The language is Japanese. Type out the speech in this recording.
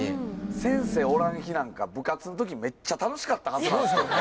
先生おらん日なんか、部活のとき、めっちゃ楽しかったはずなんですけどね。